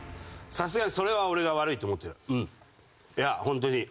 さすがに俺が悪いと思ってる。